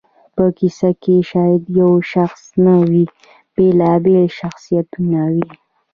په کیسه کښي شاید یو شخص نه وي، بېلابېل شخصیتونه وي.